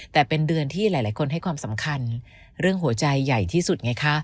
แต่เป็นเดือนที่หลายคนให้ความสำคัญเรื่องหัวใจใหญ่ที่สุดไงคะ